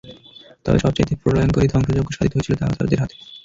তবে সবচাইতে প্রলয়ঙ্করী ধ্বংসযজ্ঞ সাধিত হয়েছিল তাতারদের হাতে।